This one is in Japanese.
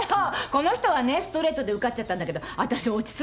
この人はねストレートで受かっちゃったんだけどわたし落ち続けちゃって。